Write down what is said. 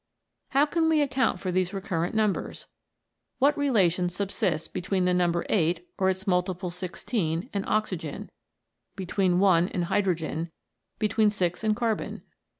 How can we account for these recurrent numbers ? What relation subsists between the number 8 or its multiple 16, and oxygen ; between 1 and hydro gen ; between 6 and carbon